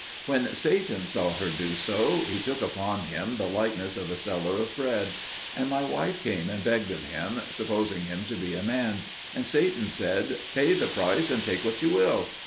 When Satan saw her do so, he took upon him the likeness of a seller of bread. And my wife came and begged of him, supposing him to be a man; and Satan said, "Pay the price, and take what you will."